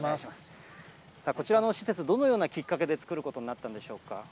こちらの施設、どのようなきっかけで作ることになったんでしょうか。